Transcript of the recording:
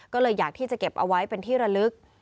ก็เลยอยากที่จะเก็บเอาไว้เป็นที่ระลึก